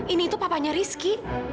ini tuh papanya rizky